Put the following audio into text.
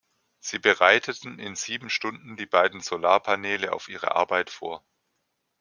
Sie bereiteten in sieben Stunden die beiden Solarpaneele auf ihre Arbeit vor.